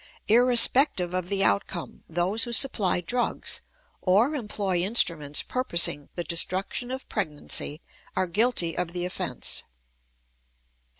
Irrespective of the outcome, those who supply drugs or employ instruments purposing the destruction of pregnancy are guilty of the offense.